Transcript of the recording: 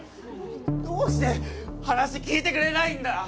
どうして話聞いてくれないんだ！